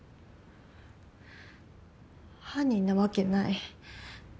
犯人なわけない。